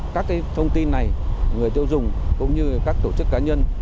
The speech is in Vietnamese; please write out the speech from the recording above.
các thông tin này người tiêu dùng cũng như các tổ chức cá nhân